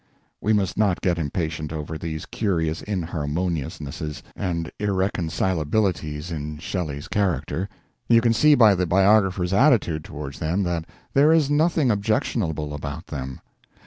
We must not get impatient over these curious inharmoniousnesses and irreconcilabilities in Shelley's character. You can see by the biographer's attitude towards them that there is nothing objectionable about them.